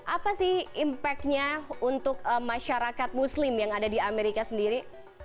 apa sih impactnya untuk masyarakat muslim yang ada di amerika sendiri